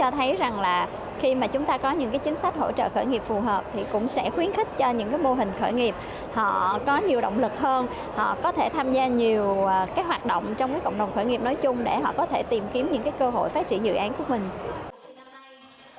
tôi thấy rằng là khi mà chúng ta có những cái chính sách hỗ trợ khởi nghiệp phù hợp thì cũng sẽ khuyến khích cho những mô hình khởi nghiệp họ có nhiều động lực hơn họ có thể tham gia nhiều cái hoạt động trong cái cộng đồng khởi nghiệp nói chung để họ có thể tìm kiếm những cái cơ hội phát triển dự án của mình